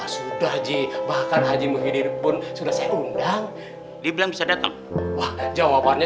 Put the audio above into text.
sudah ji bahkan haji muhidir pun sudah saya undang dia bilang bisa datang wah jawabannya